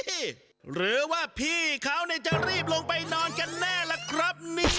หรือว่าพี่เขาจะรีบลงไปนอนกันแน่ล่ะครับ